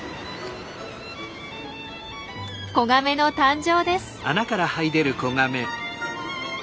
子ガメの誕生です。